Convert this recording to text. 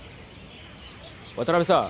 渡辺さん。